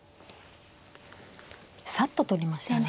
サッと取りましたね。